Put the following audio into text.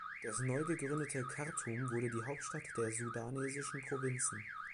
Das neu gegründete Khartum wurde die Hauptstadt der sudanesischen Provinzen.